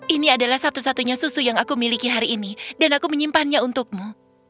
ini adalah satu satunya susu yang aku miliki hari ini dan aku menyimpannya untukmu